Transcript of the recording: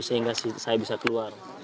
sehingga saya bisa keluar